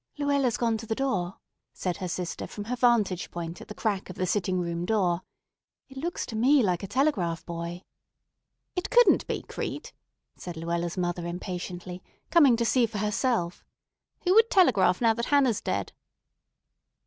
"Luella's gone to the door," said her sister from her vantage point at the crack of the sitting room door. "It looks to me like a telegraph boy." "It couldn't be, Crete," said Luella's mother impatiently, coming to see for herself. "Who would telegraph now that Hannah's dead?"